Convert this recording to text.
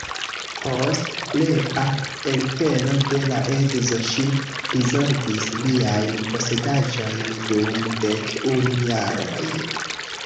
Post rea elpelo de la edzo ŝi prizorgis liajn posedaĵojn dum dek unu jaroj.